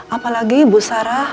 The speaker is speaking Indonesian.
apalagi bu sarah